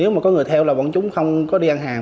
nếu mà có người theo là bọn chúng không có đi ăn hàng